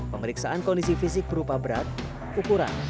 pemeriksaan kondisi fisik berupa berat ukuran